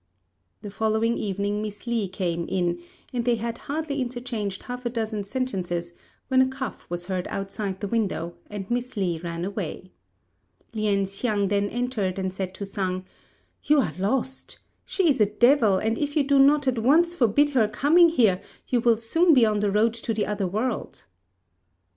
The following evening Miss Li came in; and they had hardly interchanged half a dozen sentences when a cough was heard outside the window, and Miss Li ran away. Lien hsiang then entered and said to Sang, "You are lost! She is a devil, and if you do not at once forbid her coming here, you will soon be on the road to the other world."